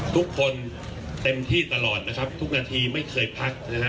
ทุกคนเต็มที่ตลอดนะครับทุกนาทีไม่เคยพักนะฮะ